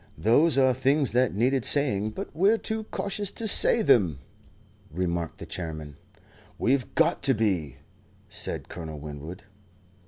"Those are things that needed saying, but we're too cautious to say them," remarked the Chairman. "We've got to be," said Colonel Winwood.